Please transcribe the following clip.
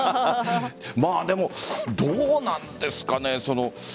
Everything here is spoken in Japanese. でも、どうなんですかね。